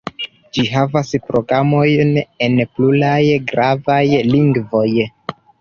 Ĝi havas programojn en pluraj gravaj lingvoj.